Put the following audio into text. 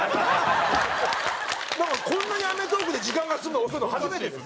こんなに『アメトーーク』で時間が進むの遅いの初めてです。